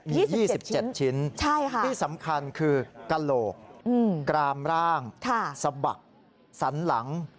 มี๒๗ชิ้นที่สำคัญคือกระโหลกกรามร่างสะบักสันหลัง